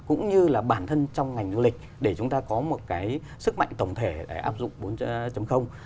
cũng như là bản thân trong ngành du lịch để chúng ta có một cái sức mạnh tổng thể để áp dụng bốn